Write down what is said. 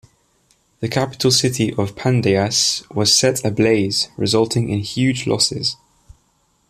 The capital city of Pandyas was set ablaze resulting in huge losses.